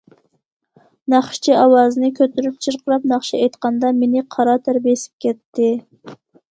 ناخشىچى ئاۋازىنى كۆتۈرۈپ چىرقىراپ ناخشا ئېيتقاندا، مېنى قارا تەر بېسىپ كەتتى.